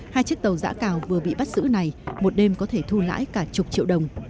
hai chiếc tàu giã cào vừa bị bắt giữ này một đêm có thể thu lãi cả chục triệu đồng